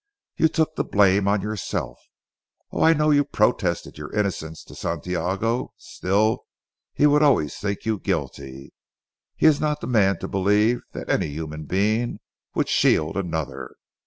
You took the blame on yourself. Oh, I know you protested your innocence to Santiago; still he would always think you guilty. He is not the man to believe that any human being would shield another.